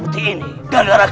papi orang pujian sujaranya